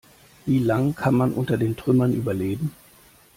Wie lang kann man unter den Trümmern überleben?